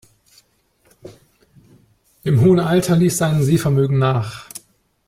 Im hohen Alter ließ sein Sehvermögen nach.